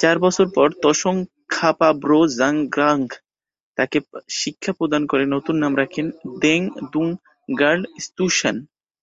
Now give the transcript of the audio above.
চার বছর পর ত্সোং-খা-পা-ব্লো-ব্জাং-গ্রাগ্স-পা তাকে দীক্ষা প্রদান করে নতুন নাম রাখেন দ্গে-'দুন-র্গ্যাল-ম্ত্শান।